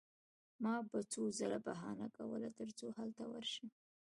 ما به څو ځله بهانه کوله ترڅو هلته ورشم